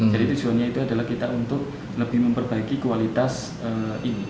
jadi tujuannya itu adalah kita untuk lebih memperbaiki kualitas ini